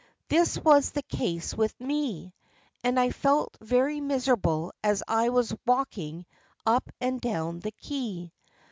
This was the case with me, and I felt very miserable as I was walking up and down the quay.